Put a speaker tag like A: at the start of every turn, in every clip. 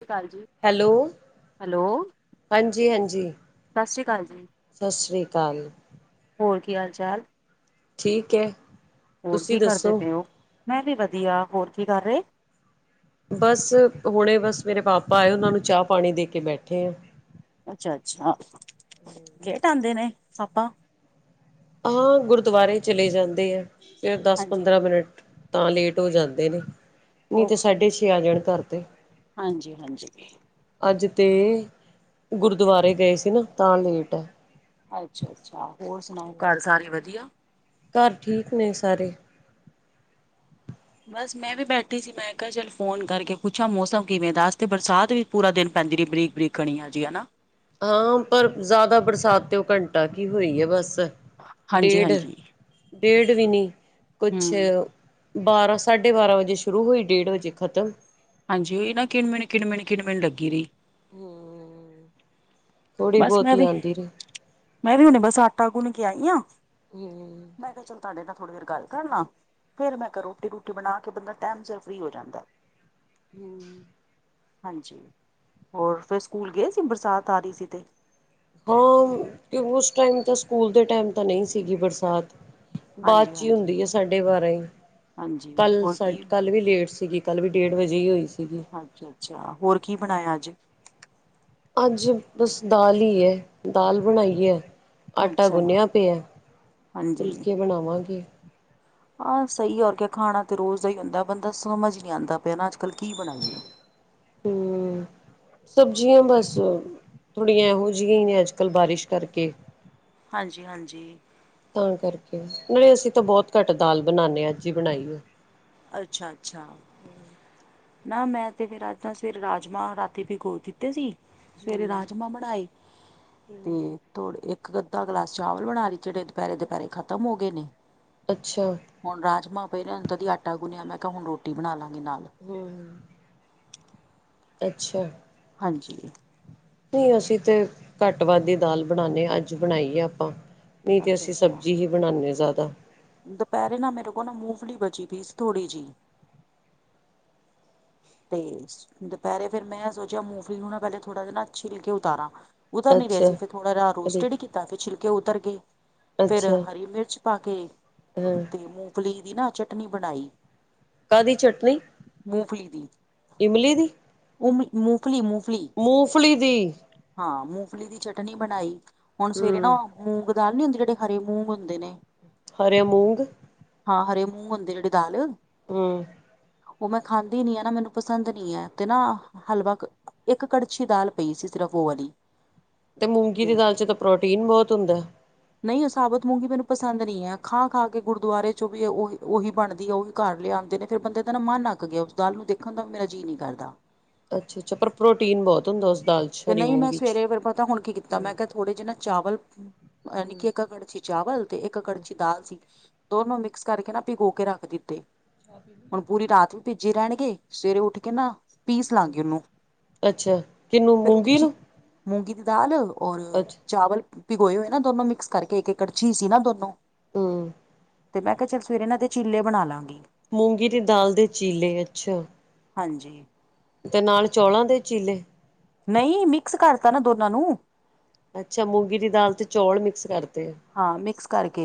A: ਸ਼ੀ ਕਾਲ ਜੀ।
B: Hello,
A: hello
B: ਹਾਂਜੀ-ਹਾਂਜੀ।
A: ਸਤਿ ਸ਼੍ਰੀ ਅਕਾਲ ਜੀ,
B: ਸਤ ਸ਼੍ਰੀ ਅਕਾਲ।
A: ਹੋਰ ਕੀ, ਹਾਲ-ਚਾਲ?
B: ਠੀਕ ਐ।
A: ਹੋਰ ਕੀ ਕਰਦੇ ਪਏ ਓ? ਮੈਂ ਵੀ ਵਧੀਆ। ਹੋਰ ਕੀ ਕਰ ਰਹੇ?
B: ਬਸ ਹੁਣੇ ਬਸ ਮੇਰੇ ਪਾਪਾ ਆਏ, ਓਨਾਂ ਨੂੰ ਚਾਹ-ਪਾਣੀ ਦੇਕੇ ਬੈਠੇ ਆਂ।
A: ਅੱਛਾ-ਅੱਛਾ, ਲੇਟ ਆੰਦੇ ਨੇ ਪਾਪਾ?
B: ਹਾਂ, ਗੁਰਦੁਆਰੇ ਚਲੇ ਜਾਂਦੇ ਐ, ਫਿਰ
A: ਹਾਂਜੀ,
B: ਦਸ-ਪੰਦਰਾਂ ਮਿਨਟ ਤਾਂ ਲੇਟ ਹੋ ਜਾਂਦੇ ਨੇ, ਨਹੀਂ ਤੇ ਸਾਢੇ -ਛੇ ਆ ਜਾਣ ਘਰ ਤੇ।
A: ਹਾਂਜੀ-ਹਾਂਜੀ।
B: ਅੱਜ ਤੇ, ਗੁਰਦੁਆਰੇ ਗਏ ਸੀ ਨਾ, ਤਾਂ ਲੇਟ ਐ।
A: ਅੱਛਾ-ਅੱਛਾ, ਹੋਰ ਸੁਣਾਓ, ਘਰ ਸਾਰੇ ਵਧੀਆ?
B: ਘਰ ਠੀਕ ਨੇ ਸਾਰੇ।
A: ਬਸ ਮੈਂ ਵੀ ਬੈਠੀ ਸੀ, ਮੈਂ ਕਿਹਾ ਚੱਲ ਫੋਨ ਕਰਕੇ ਪੁੱਛਾਂ ਮੌਸਮ ਕਿਵੇਂ ਦਾ? ਅੱਜ ਤੇ ਬਰਸਾਤ ਵੀ ਪੂਰਾ ਦਿਨ ਪੈਂਦੀ ਰਹੀ ਬਰੀਕ-ਬਰੀਕ ਕਣੀਆ ਜੀਆ ਨਾ।
B: ਹਾਂ, ਪਰ ਜਿਆਦਾ ਬਰਸਾਤ ਤੇ ਓਹ ਘੰਟਾ ਕੀ ਹੋਈ ਏ ਬਸ,
A: ਹਾਂਜੀ
B: ਡੇਢ
A: ਹਾਂਜੀ,
B: ਡੇੜ ਵੀ ਨੀ, ਕੁਛ
A: ਹੂੰ
B: ਬਾਰਾਂ, ਸਾਢੇ-ਬਾਰਾਂ ਵਜੇ ਸ਼ੁਰੂ ਹੋਈ, ਡੇਢ ਵਜੇ ਖ਼ਤਮ।
A: ਹਾਂਜੀ, ਏਨਾ ਕਿਣ-ਮਿਣ, ਕਿਣ-ਮਿਣ, ਕਿਣ-ਮਿੰਨ ਲੱਗੀ ਰਹੀ।
B: ਹੂੰ।
A: ਬਸ ਮੈਂ ਵੀ, ਮੈਂ ਵੀ ਹੁਨ ਬਸ, ਆਟਾ ਗੁੰਨਕੇ ਆਈ ਆਂ। ਮੈਂ ਕਿਹਾ ਚਲ ਤਾਡੇ ਨਾਲ, ਥੋੜ੍ਹੀ ਦੇਰ ਗੱਲ ਕਰਲਾਂ। ਫਿਰ ਮੈਂ ਕਿਹਾ, ਰੋਟੀ-ਰੂਟੀ ਬਣਾਕੇ ਬੰਦਾ ਟੈਮ ਸਿਰ ਫ੍ਰੀ ਹੋ ਜਾਂਦਾ।
B: ਹੂੰ।
A: ਹਾਂਜੀ, ਹੋਰ, ਫਿਰ ਸਕੂਲ ਗਏ ਸੀ ਬਰਸਾਤ ਆ ਰੀ, ਸੀ ਤੇ?
B: ਓ, ਕਿਉ, ਉਸ ਟੈਮ ਤੈ, ਸਕੂਲ ਦੇ ਟੈਮ ਤਾ ਨਹੀਂ ਸੀਂਗੀ ਬਰਸਾਤ।
A: ਹਾਂਜੀ
B: ਬਾਦ'ਚੀ
A: ਹਾਂਜੀ
B: ਹੁੰਦੀ ਏ ਸਾਡੇ ਬਾਰਾਂ ਈ,
A: ਹਾਂਜੀ
B: ਕੱਲ,
A: ਹੋਰ ਕੀ
B: ਸਾਡ--ਕੱਲ ਵੀ ਲੇਟ ਸੀਗੀ। ਕੱਲ੍ਹ ਵੀ ਡੇਢ ਵਜੇ ਈ ਹੋਈ ਸੀਗੀ।
A: ਅੱਛਾ ਅੱਛਾ, ਹੋਰ ਕੀ ਬਣਾਯਾ ਅੱਜ?
B: ਅੱਜ ਬਸ ਦਾਲ ਈ ਐ, ਦਾਲ ਬਣਾਈ ਐ। ਆਟਾ
A: ਅੱਛਾ
B: ਗੁੰਨਿਆ ਪਿਆ,
A: ਹਾਂਜੀ
B: ਫੁਲਕੇ ਬਣਾਵਾਂਗੇ।
A: ਆਹ ਸਹੀ ਔਰ ਕਿ ਖਾਣਾ ਤਾਂ ਰੋਜ਼ ਦਾ ਹੀ ਹੁੰਦਾ ਬੰਦਾ ਸਮਝ ਨਹੀ ਆਉਂਦਾ ਪਿਆ ਨਾ ਅੱਜ-ਕੱਲ ਕੀ ਬਣਾਈਏ।
B: ਹੂੰ। ਸਬਜ਼ੀਆਂ ਬਸ ਥੋੜੀਆਂ ਇਹੋ ਜਿਹੀਆਂ ਈ ਨੇ ਅੱਜ-ਕੱਲ੍ਹ ਬਾਰਿਸ਼ ਕਰਕੇ।
A: ਹਾਂਜੀ-ਹਾਂਜੀ।
B: ਤਾਂ ਕਰਕੇ ਨਈ ਅਸੀਂ ਤਾਂ ਬਹੁਤ ਘੱਟ ਦਾਲ ਬਣਾਨੇ ਆ, ਅੱਜ ਈ ਬਣਾਈ ਆ।
A: ਅੱਛਾ-ਅੱਛਾ ਨਾ ਮੈਂ ਤੇ ਫੇਰ ਅੱਜ ਸਵੇਰ ਰਾਜਮਾਂ ਰਾਤੀ ਵੀਗੋ ਦਿੱਤੇ ਸੀ। ਸਵੇਰੇ ਰਾਜਮਾਂ ਬਣਾਏ। ਹੂੰ। ਥੋੜੇ ਇੱਕ ਅੱਧਾ ਗਲਾਸ ਚਾਵਲ ਬਣਾ ਰਹੀ ਜਿਹੜ ਦੁਪਹਿਰੇ ਦੁਪਹਿਰੇ ਖਤਮ ਹੋ ਗਏ ਨੇ।
B: ਅੱਛਾ
A: ਹੁਣ ਰਾਜਮਾਂ ਪਏ ਨੇ [unintelligible] ਦੀ ਆਟਾ ਗੁੰਨਿਆ ਮੈਂ ਕਿਹਾ ਹੁਣ ਰੋਟੀ ਬਣਾ ਲਾਂਗੀ ਨਾਲ।
B: ਹੂੰ। ਅੱਛਾ
A: ਹਾਂਜੀ
B: ਨਈ ਅਸੀਂ ਤੇ ਘੱਟ ਵੱਧ ਈ ਦਾਲ ਬਣਾਨੇ ਅੱਜ ਬਣਾਈਏ ਆਪਾਂ। ਨਹੀਂ ਤੇ
A: ਅੱਛਾ
B: ਅਸੀਂ
A: ਅੱਛਾ
B: ਸਬਜ਼ੀ ਹੀ ਬਣਾਨੇ ਜ਼ਿਆਦਾ।
A: ਦੁਪਹਿਰੇ ਨਾ ਮੇਰੇ ਕੋਲ ਨਾ ਮੂਫਲੀ ਬਚੀ ਪਈ ਸੀ ਥੋੜ੍ਹੀ ਜਹੀ। ਤੇ, ਦੁਪੈਰੇ ਫੇਰ ਮੈਂ ਸੋਚੇਆ, ਮੂੰਫਲੀ ਨੂੰ ਨਾ ਪਹਿਲੇ ਥੋੜਾ ਜੇਆ ਨਾ ਛਿੱਲ ਕੇ ਉਤਾਰਾਂ। ਉਤਰ ਨੀ ਰਏ
B: ਅੱਛਾ
A: ਸੀ ਫਿਰ ਥੋੜਾ ਜਾ ਰੋਸਟਡ ਈ ਕੀਤਾ ਫਿਰ ਛਿਲਕੇ ਉਤਰ ਗਏ। ਫਿਰ
B: ਅੱਛਾ
A: ਹਰੀ ਮਿਰਚ ਪਾ ਕੇ
B: ਹਾਂ
A: ਤੇ ਮੂੰਗਫਲੀ ਦੀ ਨਾ ਚਟਨੀ ਬਣਾਈ।
B: ਕਾ ਦੀ ਚਟਨੀ ਇਮਲੀ ਦੀ
A: ਮੂਫਲੀ ਮੂਫਲੀ।
B: ਮੂੰਫਲੀ ਦੀ।
A: ਹਾਂ ਮੂੰਫਲੀ ਦੀ ਚਟਨੀ ਬਣਾਈ, ਹੁਣ ਸਵੇਰੇ
B: ਹਮ
A: ਨਾ ਮੂੰਗ ਦਾਲ ਨੀ ਹੁੰਦੇ ਜਿਹੜੇ ਹਰੇ ਮੂੰਗ ਹੁੰਦੇ ਨੇ।
B: ਹਰੇ ਮੂੰਗ।
A: ਹਾਂ ਹਰੇ ਮੂੰਹ ਹੁੰਦੇ ਜਿਹੜੇ ਦਾਲ
B: ਹੂੰ।
A: ਉਹ ਮੈਂ ਖਾਂਦੀ ਨੀ ਅ ਨਾ ਮੈਨੂੰ। ਪਸੰਦ ਨਈ ਐ ਤੇ ਨਾ ਹਲਵਾ, ਇੱਕ ਕੜਛੀ ਦਾਲ ਪਈ ਸੀ ਸਿਰਫ ਉਹ ਵਾਲੀ।
B: ਤੇ ਮੂੰਗੀ ਦੀ ਦਾਲ 'ਚ ਤਾਂ ਪ੍ਰੋਟੀਨ ਬਹੁਤ ਹੁੰਦਾ।
A: ਨਹੀਂ ਉਹ ਸਾਬਤ ਮੂੰਗੀ ਮੈਨੂੰ ਪਸੰਦ ਨਈ ਐ ਖਾ-ਖਾ ਕੇ ਗੁਰਦੁਆਰੇ ਚੋਂ ਵੀ ਉਹੀ ਉਹੀ ਬਣਦੀ ਹੈ ਉਹੀ। ਘਰ ਲਿਆਂਦੇ ਨੇ ਫਿਰ ਬੰਦੇ ਦਾ ਨਾ ਮਨ ਅੱਕ ਗਿਆ ਉਸ ਦਾਲ ਨੂੰ ਦੇਖਣ ਦਾ ਮੇਰਾ ਜੀਅ ਨਹੀਂ ਕਰਦਾ।
B: ਅੱਛਾ-ਅੱਛਾ! ਪਰ ਪ੍ਰੋਟੀਨ ਬਹੁਤ ਹੁੰਦਾ ਉਸ ਦਾਲ 'ਚ।
A: ਤੇ
B: ਹਰੀ
A: ਨਹੀਂ ਮੈਂ
B: ਮੂੰਗੀ ਚ
A: ਸਵੇਰੇ ਫਿਰ ਪਤਾ ਹੁਣ ਕੀ ਕੀਤਾ
B: ਹਮ
A: ਮੈਂ ਕਿਹਾ ਥੋੜੇ ਜਹੇ ਨਾ ਚਾਵਲ
B: ਹਮ
A: ਨਿੱੀ [unintelligible] ਇੱਕ ਕੜ ਚਾਵਲ ਤੇ ਇੱਕ ਕੜਛੀ ਦਾਲ ਸੀ ਦੋਨੋ ਮਿਕਸ ਕਰਕੇ ਨਾ ਭਿਗੋ ਕੇ ਰੱਖ ਦਿੱਤੇ। ਹੁਣ ਪੂਰੀ ਰਾਤ ਵੀ ਭਿਜੈ ਰਹਿਣਗੇ ਸਵੇਰੇ ਉੱਠ ਕੇ ਨਾ ਪੀਸ ਲਾਂਗੇ ਉਹਨੂੰ।
B: ਅੱਛਾ। ਕਿਹਨੂੰ
A: ਫਿਰ ਉਹਦੇ
B: ਮੂੰਗੀ
A: 'ਚ
B: ਨੂੰ
A: ਮੂੰਗੀ ਦੀ ਦਾਲ ਔਰ
B: ਅੱਛਾ
A: ਚਾਵਲ ਪਿਗੋਏ ਹੋਏ ਨਾ ਦੋਨੋ ਮਿਕਸ ਕਰਕੇ ਇੱਕ-ਇੱਕ ਕੜਛੀ ਸੀ ਨਾ ਦੋਨੋ।
B: ਹੂੰ।
A: ਤੇ ਮੈਂ ਕਿਹਾ ਚੱਲ ਸਵੇਰੇ ਇਹਦੇ ਨਾ ਚੀਲੇ ਬਣਾ ਲਾਂਗੀ।
B: ਮੂੰਗੀ ਦੀ ਦਾਲ ਦੇ ਚੀਲੇ ਅੱਛਾ।
A: ਹਾਂਜੀ।
B: ਤੇ ਨਾਲ, ਚੌਲਾਂ ਦੇ ਚੀਲੇ।
A: ਨਹੀਂ, ਮਿਕਸ ਕਰਤਾ ਨਾ ਦੋਨਾਂ ਨੂੰ।
B: ਅੱਛਾ, ਮੂੰਗੀ ਦੀ ਦਾਲ ਤੇ ਚੌਲ ਮਿਕਸ ਕਰਤੇ।
A: ਹਾਂ, ਮਿਕਸ ਕਰਕੇ।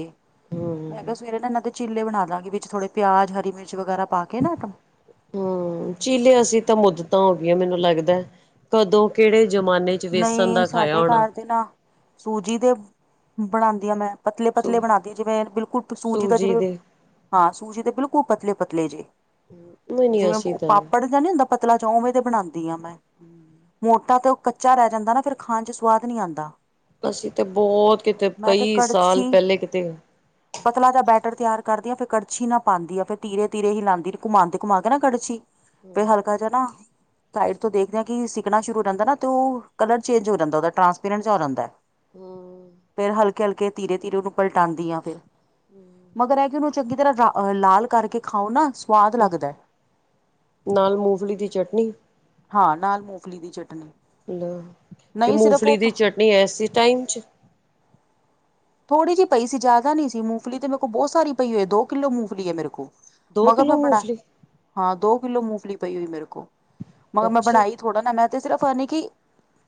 A: ਮੈਂ ਕਿਹਾ
B: ਹੂੰ
A: ਸਵੇਰੇ ਨਾ ਇਹਨਾਂ ਦੇ ਚੀੱਲੇ ਬਣਾਦਾਂਗੇ, ਵਿੱਚ ਥੋੜੇ ਪਿਆਜ, ਹਰੀ ਮਿਰਚ ਵਗੈਰਾ ਪਾਕੇ ਨਾ, ਟਮ
B: ਹੂੰ। ਹੂੰ, ਚੀਲੇ ਅਸੀਂ ਤਾਂ ਮੁੱਦਤਾਂ ਹੋ ਗਈਆਂ ਮੈਨੂੰ ਲੱਗਦਾ ਕਦੋਂ ਕਿਹੜੇ ਜਮਾਨੇ
A: ਨਹੀਂ ਸਾਡੇ ਘਰ ਤੇ ਨਾ ਸੂਜੀ ਦੇ ਬਣਾਦੀ ਆ ਮੈਂ। ਪਤਲੇ, ਪਤਲੇ
B: ਸੂ
A: ਬਣਾਂਦੀ ਜਿਵੇਂ, ਬਿਲਕੁਲ ਸੂਜੀ ਦਾ ਜਿਵੇਂ ਹਾਂ, ਸੂਜੀ ਦੇ ਬਿਲਕੁਲ ਪਤਲੇ-ਪਤਲੇ, ਜੇ
B: ਨਹੀਂ ਨਹੀਂ
A: ਜਿਵੇਂ
B: ਅਸੀਂ ਤਾਂ ਨਹੀਂ
A: ਪਾਪੜ ਨੀ ਹੁੰਦਾ ਪਤਲਾ ਚਵੇਂ ਤੇ ਬਣਾਉਂਦੀ ਆਂ ਮੈਂ ਮੋਟਾ ਤਾਂ ਕੱਚਾ ਰਹਿ ਜਾਂਦਾ ਨਾ, ਫ਼ਿਰ ਖਾਣ' ਚ ਸਵਾਦ ਨੀ ਆਂਦਾ।
B: ਅਸੀਂ ਤੇ ਬਹੁਤ ਕਿਤੇ, ਕਈ ਸਾਲ
A: ਕੜਛੀ
B: ਪਹਿਲੇ ਕਿਤੇ।
A: ਪਤਲਾ ਜਾ ਬੈਟਰ ਤਿਆਰ ਕਰਦੀ ਆਂ, ਫਿਰ ਕੜਛੀ ਨਾ ਪਾਂਦੀ ਆ, ਫਿਰ ਧੀਰੇ, ਧੀਰੇ ਹੀ ਹੀਲਾਂਦੀ, ਘੁਮਾਨ, ਘੁਮਾਕੇ ਨਾ ਕੜਛੀ ਫਿਰ ਹਲਕਾ ਜਿਹਾ ਨਾ ਸਾਈਡ ਤੋਂ ਦੇਖਦੇ ਆਂ, ਕਿ ਸਿੱਕਣਾ ਸ਼ੁਰੂ ਜਾਂਦਾ ਨਾ ਤ ਉਹ, ਕਲਰ ਚੇਂਜ ਹੋ ਜਾਂਦਾ ਉਹਦਾ, ਟਰਾਂਸਪੇਰੈਂਟ ਜਾ ਹੋ ਜਾਂਦਾ।
B: ਹੂੰ
A: ਫੇਰ ਹਲਕੇ-ਹਲਕੇ, ਧੀਰੇ-ਧੀਰੇ ਉਹਨੂੰ ਪਲਟਾਂਂਦੀ ਆ ਫਿਰ, ਮਗਰ ਇਹ ਕਿ, ਉਹਨੂੰ ਚੰਗੀ ਤਰ੍ਹਾਂ ਲਾਲ ਕਰਕੇ ਖਾਓ ਨਾ ਸਵਾਦ ਲੱਗਦੈ।
B: ਨਾਲ ਮੂੰਗਫਲੀ ਦੀ ਚਟਨੀ
A: ਹਾਂ, ਨਾਲ ਮੂੰਗਫਲੀ ਦੀ ਚਟਨੀ।
B: ਤੇ,
A: ਨਹੀਂ ਸਿਰਫ
B: ਮੂਫਲੀ
A: ਉਹ
B: ਦੀ ਚਟਨੀ ਐਸੀ ਟਾਈਮ'ਚ?
A: ਥੋੜੀ ਜਿਹੀ ਪਈ ਸੀ, ਜ਼ਿਆਦਾ ਨਹੀਂ ਸੀ, ਮੂੰਫਲੀ ਤੇ ਮੇਰੇ ਕੋਲ ਬਹੁਤ ਸਾਰੀ ਪਈ ਹੋਈ ਐ, ਦੋ-ਕਿੱਲੋ ਮੂੰਗਫਲੀ ਹੈ ਮੇਰੇ ਕੋਲ।
B: ਦੋ
A: ਮਗਰ
B: ਕਿੱਲੋ
A: ਮੈਂ
B: ਮੂੰਗਫਲੀ
A: ਬਣਾ--ਹਾਂ, ਦੋ-ਕਿੱਲੋ ਮੂਫਲੀ ਪਈ ਹੋਈ ਮੇਰੇ ਕੋਲ, ਮਗਰ ਮੈਂ
B: ਅੱਛਾ
A: ਬਣਾਈ ਥੋੜਾ ਨਾ, ਮੈਂ ਤੇ ਸਿਰਫ ਅ, ਨੀ, ਕਿ,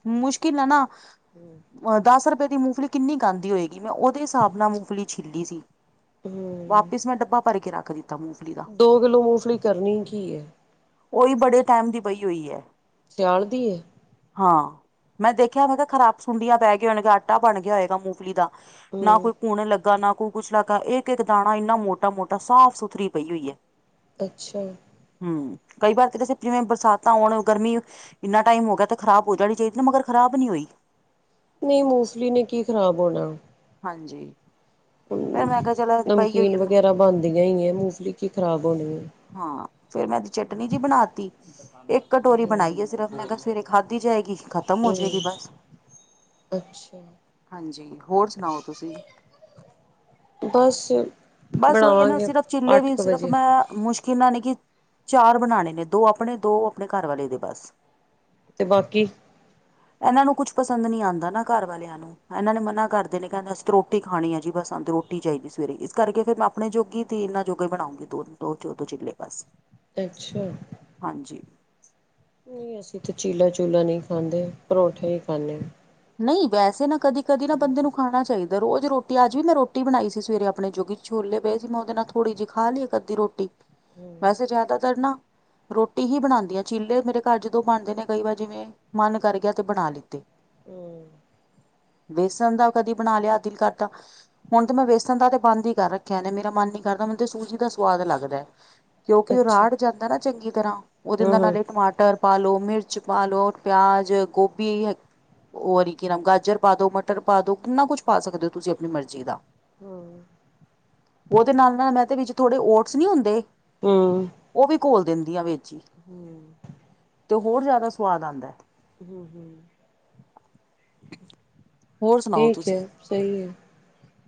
A: ਮੁਸ਼ਕਿਲ ਆ ਨਾ
B: [unintelligible]
A: ਅ ਦੱਸ ਰੁਪਏ ਦੀ ਮੂਫਲੀ ਕਿੰਨੀ ਕ ਆਂਦੀ ਹੋਏਗੀ, ਮੈਂ ਉਹਦੇ ਹਿਸਾਬ ਨਾਲ ਮੂਫਲੀ ਛਿੱਲੀ ਸੀ।
B: ਹੂ,
A: ਵਾਪੀਸ ਮੈਂ ਡੱਬਾ ਭਰਕੇ ਰੱਖ ਦਿੱਤਾ ਮੂੰਹ
B: ਦੋ-ਕਿੱਲੋ ਮੂਫਲੀ ਕਰਨੀ ਕੀ, ਏ?
A: ਉਹੀ ਬੜੇ ਟਾਈਮ ਦੀ ਪਈ ਹੋਈ ਹੈ।
B: ਸਿਆਲ ਦੀ ਏ?
A: ਹਾਂ, ਮੈਂ ਦੇਖਿਆ, ਮੈਂ ਕਿਹਾ ਖ਼ਰਾਬ ਸੁੰਡੀਆਂ ਪੈਗੀਆ ਹੋਣ ਆਟਾ ਬਣਗਿਆ ਹੋਏਗਾ ਮੂੰਫਲੀ ਦਾ। ਨਾ ਕੋਈ
B: ਹੂੰ
A: ਭੂਣ ਲੱਗਾ, ਨਾ ਕੋਈ ਕੁਛ ਲੱਗਾ, ਇੱਕ-ਇੱਕ ਦਾਣਾ ਇੰਨਾ ਮੋਟਾ-ਮੋਟਾ, ਸਾਫ-ਸੁਥਰੀ ਪਈ ਹੋਈ ਹੈ।
B: ਅੱਛਾ।
A: ਹੂੰ, ਕਈ ਵਾਰ ਤ ਦਸੇ, ਜਿਵੇਂ ਬਰਸਾਤਾਂ ਹੋਣ, ਗਰਮੀ ਇੰਨਾ ਟਾਈਮ ਹੋ ਗਿਆ ਤੇ ਖ਼ਰਾਬ ਹੋ ਜਾਣੀ ਚਾਹੀਦੀ ਨਾ, ਮਗਰ ਖਰਾਬ ਨੀ ਹੋਈ।
B: ਨਹੀਂ, ਮੂਫਲੀ ਨੇ, ਕੀ ਖ਼ਰਾਬ ਹੋਣਾ।
A: ਹਾਂਜੀ। ਫੇਰ
B: ਹੂੰ,
A: ਮੈਂ ਕਿਹਾ ਚਲੋ ਪਈ ਹੋਈ
B: ਨਮਕੀਨ
A: ਆ ਮੈਂ
B: ਵਗੈਰਾ ਬਣਦੀਆਂ ਹੀ ਹੈ, ਮੂਫਲੀ ਕੀ ਖ਼ਰਾਬ ਹੋਣੀ ਹੈ।
A: ਹਾਂ, ਫਿਰ ਮੈਂ ਇਹਦੀ ਚਟਨੀ ਜਿਹੀ ਬਣਾਤੀ। ਇੱਕ ਕਟੋਰੀ ਬਣਾਈ ਹੈ ਸਿਰਫ਼, ਮੈਂ ਕਿਹਾ ਸਵੇਰੇ ਖਾਧੀ ਜਾਏਗੀ, ਫਿਰ ਖ਼ਤਮ ਹੋਜੇਗੀ
B: ਹੂੰ
A: ਬਸ।
B: ਅੱਛਾ।
A: ਹਾਂਜੀ, ਹੋਰ ਸੁਣਾਓ ਤੁਸੀ?
B: ਬਸ
A: ਬਸ ਉਹੀਏ ਨਾ
B: ਬਣਾਵਾਂਗੇ
A: ਸਿਰਫ਼ ਚਿੱੱਲੇ
B: ਅੱਠ
A: ਵੀ,
B: ਕੁ
A: ਸਿਰਫ
B: ਵਜੇ
A: ਮੈਂ ਮੁਸ਼ਕਿਲ ਨਾਲ ਨ ਕੀ, ਚਾਰ ਬਣਾਣੇ ਨੇ, ਦੋ ਆਪਣੇ, ਦੋ ਆਪਣੇ ਘਰਵਾਲੇ ਦੇ ਬਸ।
B: ਤੇ ਬਾਕੀ?
A: ਇਹਨਾਂ ਨੂੰ ਕੁਛ ਪਸੰਦ ਨਹੀਂ ਆਂਦਾ ਨਾ, ਘਰ ਵਾਲਿਆਂ ਨੂੰ। ਇਹਨਾਂ ਨੇ ਮਨਾ ਕਰਦੇ ਨੇ, ਕਹਿੰਦੇ ਅਸੀਂ ਤਾਂ ਰੋਟੀ ਖਾਣੀ ਆ ਜੀ ਬਸ, ਸਾੰਨੁ ਤਾ ਰੋਟੀ ਚਾਹੀਦੀ ਸਵੇਰੇ। ਕਰਕੇ ਫਿਰ ਮੈਂ ਆਪਣੇ ਜੋਗੀ, ਤੇ ਇਹਨਾਂ ਜੋਗੇ ਬਣਾਉਂਗੀ, ਦੋ, ਦੋੋ ਦੋ ਚਿੱਲੇ ਬਸ।
B: ਅੱਛਾ।
A: ਹਾਂਜੀ।
B: ਨਹੀਂ ਅਸੀਂ ਤਾਂ ਚੀਲਾ ਚੂਲਾ ਨਹੀਂ ਖਾਂਦੇ ਪਰੌਂਠੇ ਹੀ ਖਾਂਦੇ ਹਾਂ।
A: ਨਹੀਂ ਵੈਸੇ ਨਾ ਕਦੀ ਕਦੀ ਨਾ ਬੰਦੇ ਨੂੰ ਖਾਣਾ ਚਾਹੀਦਾ। ਤੇ ਰੋਜ਼ ਰੋਟੀ ਅੱਜ ਵੀ ਮੈਂ ਰੋਟੀ ਰੋਜ ਰੋਟੀ ਅੱਜ ਵੀ ਰੋਟੀ ਬਣਾਈ ਸੀ ਸਵੇਰੇ ਆਪਣੇ ਜੋਗੀ ਚ ਛੋਲੇ ਪਏ ਸੀ ਮੈਂ ਉਹਦੇ ਨਾਲ ਖਾ ਲਈ ਇੱਕ ਅੱਧੀ ਰੋਟੀ
B: ਹੂੰ
A: ਵੈਸੇ ਜ਼ਿਆਦਾ ਤਰ ਨਾ ਰੋਟੀ ਹੀ ਬਣਾਉਂਦੀ ਆ ਚੀਲੇ ਮੇਰੇ ਘਰ ਜਦੋਂ ਬਣਦੇ ਨੇ ਕਈ ਵਾਰ ਜਿਵੇਂ ਮਨ ਕਰ ਗਿਆ ਤੇ ਬਣਾ ਲਿੱਤੇ
B: ਹਮ
A: ਬੇਸਨ ਦਾ ਕਦੀ ਬਣਾ ਲਿਆ ਦਿਲ ਕਰਦਾ ਹੁਣ ਤੇ ਮੈਂ ਵੇਸਣ ਦਾ ਤੇ ਬੰਦ ਹੀ ਹੁਣ ਤੇ ਮੈਂ ਬੇਸਣ ਦਾ ਬੰਦ ਕਰ ਰੱਖਿਆ ਮੇਰਾ ਮਨ ਨੀ ਕਰਦਾ ਮੈਨੂੰ ਤੇ ਸੂਜੀ ਦਾ ਸਵਾਦ ਲੱਗਦਾ ਹੈ ਕਿਉਂਕਿ ਉਹ
B: ਅੱਛਾ
A: ਰਾੜ ਜਾਂਦਾ ਨਾ ਚੰਗੀ ਤਰ੍ਹਾਂ ਉਹਦੇ ਦਾ
B: ਹਾਂ
A: ਨਾਲ
B: ਹਾਂ
A: ਨਾਲੇ ਟਮਾਟਰ ਪਾ ਲਓ ਮਿਰਚ ਪਾ ਲਓ ਪਿਆਜ ਗੋਭੀ ਉਹਰ ਕੀ ਨ ਗਾਜਰ ਪਾ ਦੋ ਗਾਜਰ ਪਾ ਦੋ ਮਟਰ ਪਾ ਦੋ ਕਿੰਨਾ ਕੁਛ ਪਾ ਸਕਦੇ ਹੋ ਤੁਸੀਂ ਆਪਣੀ ਮਰਜ਼ੀ ਦਾ
B: [inaudible]
A: ਉਹਦੇ ਨਾਲ ਮੈਂ ਤੇ ਵਿੱਚ ਥੋੜੇ ਓਟਸ ਨੀ ਹੁੰਦੇ
B: ਹਮ
A: ਉਹ ਵੀ ਘੋਲ ਦਿੰਦੀ ਆ ਵਿੱਚ ਹੀ
B: ਹਮ
A: ਤੇ ਹੋਰ ਜ਼ਿਆਦਾ ਸੁਵਾਦ ਆਉਦਾ ਹੈ
B: ਹਮ ਹਮ
A: ਹੋਰ ਸੁਣਾਓ
B: ਠੀਕ ਹੈ
A: ਤੁਸੀਂ?
B: ਸਹੀ ਹੈ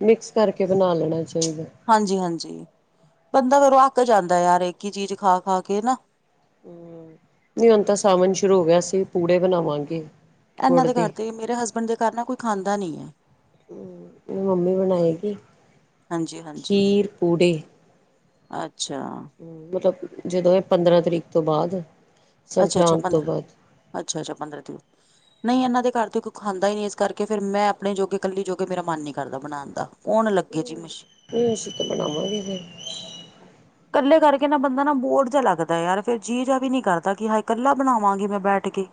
B: ਮਿਕਸ ਕਰਕੇ ਬਣਾ ਲੈਣਾ ਚਾਹੀਦਾ
A: ਹਾਂਜੀ ਹਾਂਜੀ ਬੰਦਾ ਫੇਰੋਂ ਅੱਕ ਜਾਂਦਾ ਯਾਰ ਇੱਕ ਹੀ ਚੀਜ਼ ਖਾ ਖਾ ਕੇ ਨਾ
B: ਨ ਹੁਣ ਤਾਂ ਸਾਵਣ ਸ਼ੁਰੂ ਹੋ ਗਿਆ ਅਸੀਂ ਵੀ ਪੂੜੇ ਬਣਾਵਾਂਗੇ
A: ਇਹਨਾਂ ਦੇ ਘਰ ਤੇ ਮੇਰੇ ਹਸਬੈਂਡ ਦੇ ਘਰ ਨਾ ਕੋਈ ਖਾਂਦਾ ਨੀ ਆ
B: ਮੰਮੀ ਬਣਾਏਗੀ
A: ਹਾਂਜੀ-ਹਾਂਜੀ।
B: ਖੀਰ ਪੂੜੇ
A: ਅੱਛਾ
B: ਮਤਲਬ ਜਦੋਂ ਇਹ ਪੰਦਰਾਂ ਤਰੀਕ ਤੋਂ ਬਾਅਦ
A: ਅੱਛਾ ਅੱਛਾ
B: ਸੰਕਰਾਂਤ ਤੋਂ
A: ਪੰਦਰਾਂ
B: ਬਾਅਦ
A: ਅੱਛਾ ਅੱਛਾ ਪੰਦਰਾਂ ਤਰੀਕ ਨਹੀਂ ਇਹਨਾਂ ਦੇ ਘਰ ਤੇ ਕੋਈ ਖਾਂਦਾ ਹੀ ਨਹੀਂ ਇਸ ਕਰਕੇ ਫ਼ਿਰ ਨਹੀਂ ਇਹਨਾਂ ਦੇ ਘਰ ਕੋਈ ਖਾਂਦਾ ਨਹੀਂ ਇਸ ਕਰਕੇ ਮੈਂ ਆਪਣੇ ਜੋਗੇ ਇਕੱਲੀ ਜੋਗੇ ਮੇਰਾ ਮਨ ਨੀ ਘਰ ਦਾ ਬਣਾਉਣ ਦਾ ਕ ਦਾ ਕੌਣ ਲੱਗੇ ਜੀ ਮਸ਼ੀਨ
B: ਨਹੀਂ ਅਸੀਂ ਤੇ ਬਣਾਵਾਂਗੇ ਫੇਰ [inaudible]
A: ਇਕੱਲੇ ਕਰਕੇ ਨਾ ਬੰਦਾ ਨਾ ਬੋਰ ਜੇਹਾ ਲੱਗਦਾ ਯਾਰ ਫਿਰ ਜੀਅ ਜਿਹਾ ਵੀ ਨਹੀਂ ਕਰਦਾ ਕਿ ਹਾਏ ਇਕੱਲਾ ਬਣਾਵਾਂਗੀ ਮੈਂ ਬੈਠ ਕੇ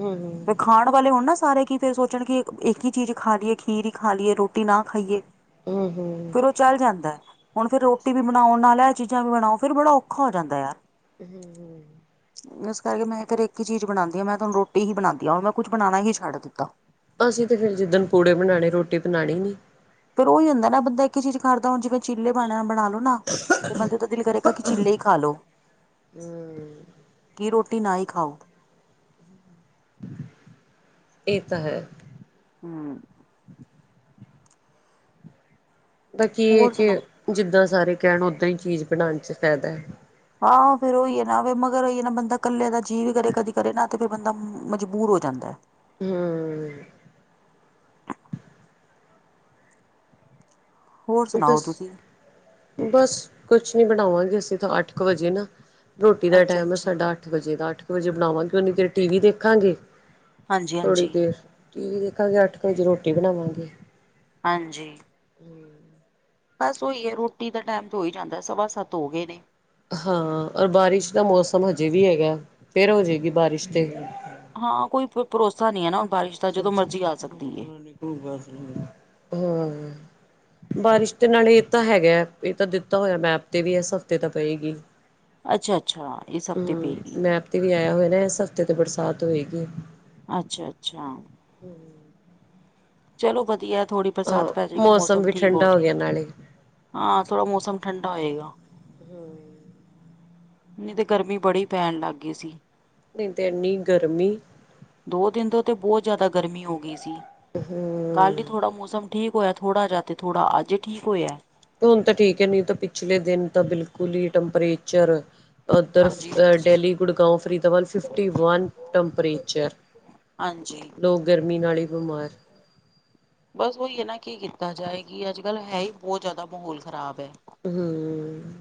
B: ਹੂੰ
A: ਤੇ
B: ਹੂੰ
A: ਖਾਣਾ ਵਾਲੇ ਹੋੁਣ ਨਾ ਸਾਰੇ ਕਿ ਫਿਰ ਅਕਲ ਵਾਲੇ ਹੋਣ ਨਾ ਸਾਰੇ ਸੋਚਣ ਕੇ ਇੱਕ ਹੀ ਚੀਜ਼ ਖਾ ਲਈਏ ਖੀਰ ਹੀ ਖਾ ਲਈਏ ਰੋਟੀ ਨਾ ਖਾਈਏ
B: ਹਮ ਹਮ
A: ਫਿਰ ਉਹ ਚੱਲ ਜਾਂਦਾ ਹੁਣ ਫਿਰ ਰੋਟੀ ਵੀ ਚਲ ਜਾਂਦਾ ਹ ਰੋਟੀ ਵੀ ਬਣਾਓ ਨਾਲ ਇਹ ਚੀਜ਼ਾਂ ਵੀ ਬਣਾਓ ਫੇਰ ਬੜਾ ਔਖਾ ਹੋ ਜਾਂਦਾ ਯਾਰ
B: ਹਮ ਹਮ
A: ਇਸ ਕਰਕੇ ਮੈਂ ਫਰ ਇੱਕ ਚੀਜ਼ ਇਸ ਕਰਕੇ ਮੈਂ ਇੱਕ ਹੀ ਚੀਜ਼ ਬਣਾਉਂਦੀ ਆ ਮੈਂ ਤਾਂ ਹੁਣ ਰੋਟੀ ਹੀ ਬਣਾਉਦੀ ਹ ਮੈਂ ਕੁਝ ਬਣਾਉਣਾ ਹੀ ਛੱਡ ਦਿੱਤਾ
B: ਅਸੀਂ ਤੇ ਫੇਰ ਜਿੱਦਣ ਪੂੜੇ ਬਣਾਉਣੇ ਰੋਟੀ ਬਣਾਉਣੀ ਨੀ
A: ਫੇਰ ਉਹੀ ਹੁੰਦਾ ਨਾ ਬੰਦਾ ਇੱਕ ਹੀ ਚੀਜ਼ ਕਰਦਾ ਹੁਣ ਜਿਵੇਂ ਚੀਲੇ ਬਣਾ ਲਓ ਨਾ ਤੇ ਬੰਦੇ ਤਾਂ ਦਿਲ ਕਰੇ ਕਿ ਚਿੱਲੇ ਹੀ ਖਾ ਲਓ ਕੀ ਰੋਟੀ ਨਾ ਹੀ ਖਾਓ
B: ਇਹ ਤਾਂ ਹੈ
A: ਹਮ
B: ਤਾਂ ਕੀ ਹੈ
A: ਹੋਰ
B: ਕਿ
A: ਸੁਣਾ
B: ਜਿੱਦਾਂ ਸਾਰੇ ਕਹਿਣ ਓਦਾਂ ਹੀ ਚੀਜ਼ ਬਣਾਉਣ ਚ ਫਾਇਦਾ ਹੈ
A: ਹਾਂ ਫੇਰ ਉਹੀ ਹੈ ਨਾ ਮਗਰ ਹੀ ਹੈ ਨਾ ਬੰਦਾ ਇਕੱਲੇ ਦਾ ਜੀਅ ਵੀ ਕਰੇ ਨਾ ਕਦੀ ਕਦੇ ਨਾ ਫਿਰ ਬੰਦਾ ਮਜਬੂਰ ਹੋ ਜਾਂਦਾ
B: ਹਮ
A: ਹੋਰ ਸੁਣਾਓ
B: ਦੱਸ
A: ਤੁਸੀਂ
B: ਬਸ ਕੁਛ ਨੀ ਬਣਾਵਾਂਗੇ ਅਸੀਂ ਤਾਂ ਅੱਠ ਕੁ ਵਜੇ ਨਾ ਰੋਟੀ ਦਾ
A: ਅੱਛਾ
B: ਟਾਈਮ
A: ਅੱਛਾ
B: ਸਾਡਾ ਅੱਠ ਵਜੇ ਦਾ ਅੱਠ ਕੁ ਵਜੇ ਬਣਾਵਾਂਗੇ ਫੇਰ ਉਨੀ ਦੇਰ ਟੀ ਵੀ ਦੇਖਾਂਗੇ
A: ਹਾਂਜੀ
B: ਥੋੜ੍ਹੀ
A: ਹਾਂਜੀ
B: ਦੇਰ ਟੀ ਵੀ ਦੇਖਾਂਗੇ ਅੱਠ ਵਜੇ ਰੋਟੀ ਬਣਾਵਾਂਗੇ
A: ਹਾਂਜੀ
B: ਹਮ
A: ਬਸ ਉਹੀ ਹੈ। ਰੋਟੀ ਦਾ ਟਾਈਮ ਤੇ ਹੀ ਜਾਦਾ ਸਵਾ ਸੱਤ ਹੋ ਗਏ ਨੇ
B: ਹਾਂ ਔਰ ਬਾਰਿਸ਼ ਦਾ ਮੌਸਮ ਹਜੇ ਵੀ ਹੈਗਾ ਫਿਰ ਹੋ ਜਾਏਗੀ ਬਾਰਿਸ਼ ਤੇ
A: ਹਾਂ ਕੋਈ ਭਰੋਸਾ ਨਹੀ ਹੈ। ਨਾ ਹੁਣ ਬਾਰਿਸ਼ ਦਾ ਜਦੋਂ ਮਰਜ਼ੀ ਆ ਸਕਦੀ
B: ਬਸ ਹਾ- ਬਾਰਿਸ਼ ਦੇ ਨਾਲ ਇਹ ਤਾਂ ਹੈਗਾ ਇਹ ਤਾਂ ਦਿਤਾ ਹੋਇਆ ਮੈਪ ਤੇ ਵੀ ਇਸ ਹਫ਼ਤੇ ਤਾਂ ਪਏਗੀ।
A: ਅਛਾ- ਅਛਾ ਇਹ ਹਫ਼ਤੇ
B: ਹਮ
A: ਪਏਗੀ
B: ਮੈਪ ਤੇ ਵੀ ਆਇਆ ਹੋਇਆ ਨਾ ਇਸ ਹਫ਼ਤੇ ' ਬਰਸਾਤ ਹੋਏਗੀ।
A: ਅਛਾ- ਅਛਾ-
B: ਹੂੰ -
A: ਚਲੋ ਵਧੀਆ ਥੋੜ੍ਹੀ ਬਰਸਾਤ ਪੈ ਜਾਏਗੀ ਮੌਸਮ
B: ਵੀ
A: ਠੀਕ ਹੋ
B: ਠੰਡਾ
A: ਜਾਏ।
B: ਗਿਆ ਨਾਲੇ
A: ਹਾਂ ਥੋੜਾ ਮੌਸਮ ਠੰਡਾ ਹੋਏਗਾ।
B: ਹੂੰ -
A: ਨਹੀ ਤੇ ਗਰਮੀ ਬੜੀ ਪੈਣ ਲੱਗ ਗਈ ਸੀ।
B: ਨਹੀ ਤਾਂ ਇਨੀ ਗਰਮੀ
A: ਦੋ ਦਿਨ ਤੋਂ ਤੇ ਬਹੁਤ ਜ਼ਿਆਦਾ ਗਰਮੀ ਹੋ ਗਈ ਸੀ ਕੱਲ
B: ਹਮ
A: ਹੀ ਥੋੜ੍ਹਾ ਮੌਸਮ ਠੀਕ ਹੋਇਆਥੜ੍ਹਾ ਜਾਥੋੜ੍ਹਾ ਅਜ ਠੀਕ ਹੋਇਆ
B: ਹੁਣ ਤਾਂ ਠੀਕ ਹੈ। ਨਹੀ ਤਾਂ ਪਿਛਲੇ ਦਿਨ ਤਾਂ ਬਿਲਕੁਲ ਹੀ ਟੈਂਪਰੇਚਰ ਉਧਰ
A: ਹਾਂਜੀ ਹਾਂਜੀ
B: Delhi Gurgaon Faridabad fifty one temperature
A: ਹਾਂਜੀ-
B: ਲੋਗ ਗਰਮੀ ਨਾਲ ਹੀ ਬਿਮਾਰ
A: ਬਸ ਉਹੀ ਹੈ। ਨਾ ਕੀ ਕੀਤਾ ਜਾਏਗੀ ਅਜ ਕਲ ਹੈ। ਹੀ ਬਹੁਤ ਜ਼ਿਆਦਾ ਮਾਹੌਲ ਖ਼ਰਾਬ ਹੈ।
B: ਹੂੰ -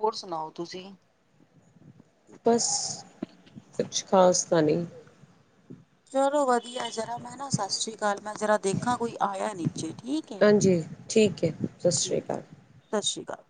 A: ਹੋਰ ਸੁਣਾਓ ਤੁਸੀ
B: ਬਸ ਕੁਛ ਖਾਸ ਤਾਂ ਨਹੀ-
A: ਚਲੋ ਵਧੀਆ ਜਰਾ ਮੈ ਨਾ ਸਤਿ ਸ੍ਰੀ ਅਕਾਲ ਮੈ ਜਰਾ ਦੇਖਾ ਕੋਈ ਆਇਆ ਨੀਚੇ ਠੀਕ ਹੈ।
B: ਹਾਂਜੀ ਠੀਕ ਹੈ ਸਤਿ ਸ਼੍ਰੀ
A: ਠੀਕ
B: ਅਕਾਲ
A: ਸਤਿ ਸ੍ਰੀ ਅਕਾਲ।